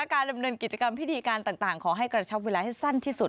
การดำเนินกิจกรรมพิธีการต่างขอให้กระชับเวลาให้สั้นที่สุด